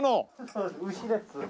そうです牛です。